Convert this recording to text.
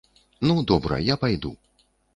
Ну, добра, я пайду.